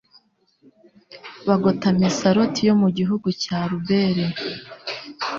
bagota mesaloti yo mu gihugu cya arubele